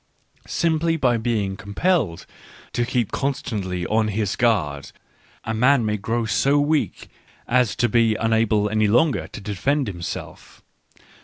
Simply by being compelled to keep con stantly on his guard, a man may grow so weak as to be unable any longer to defend himself.